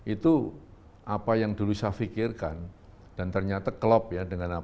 itu apa yang dulu saya pikirkan dan ternyata kelop ya